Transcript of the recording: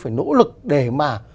phải nỗ lực để mà